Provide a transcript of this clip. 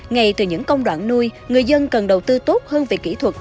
ngay từ những công đoạn nuôi người dân cần đầu tư tốt hơn về kỹ thuật